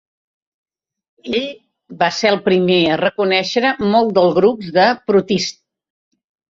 Ell va ser el primer a reconèixer molts dels grups de protists.